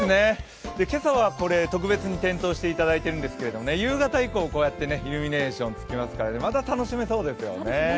今朝はこれ、特別に点灯していただいているんですけど夕方以降、イルミネーションがつきますからね、また楽しめそうですよね。